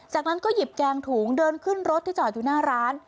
จากนั้นก็หยิบแกงถุงเดินขึ้นรถที่จอดอยู่หน้าร้าน